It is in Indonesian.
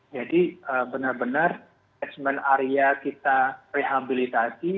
jadi benar benar area kita rehabilitasi